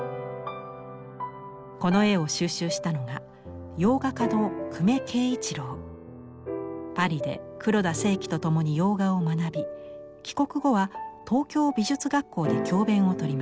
この絵を収集したのが洋画家のパリで黒田清輝と共に洋画を学び帰国後は東京美術学校で教べんを執ります。